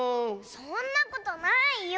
そんなことないよ！